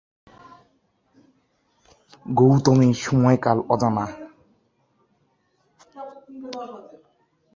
গৌতমের সময়কাল অজানা।